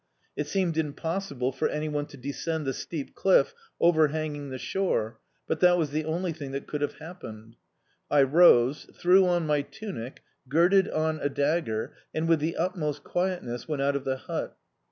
It seemed impossible for anyone to descend the steep cliff overhanging the shore, but that was the only thing that could have happened. I rose, threw on my tunic, girded on a dagger, and with the utmost quietness went out of the hut.